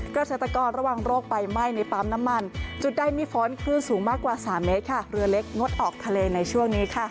เกษตรกรระวังโรคไฟไหม้ในปั๊มน้ำมันจุดใดมีฝนคลื่นสูงมากกว่า๓เมตรค่ะเรือเล็กงดออกทะเลในช่วงนี้ค่ะ